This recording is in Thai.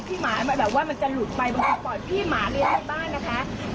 หมาแบบว่ามันจะหลุดไปบางทีปล่อยพี่หมาเลี้ยงในบ้านนะคะ